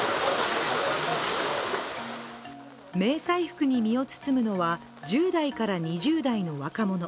迷彩服に身を包むのは１０２０代の若者。